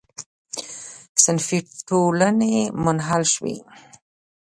صنفي ټولنې منحل شوې.